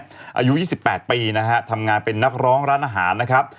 อายุ๒๘ปีนะฮะทำงานเป็นนักร้องร้านอาหารนะครับ